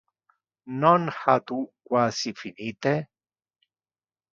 Non ha tu quasi finite?